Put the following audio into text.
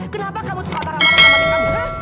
kenapa kamu sepadan rata rata mati kamu